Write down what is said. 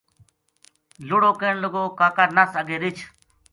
لُڑو کہن لگو کاکا نَس اَگے رِچھ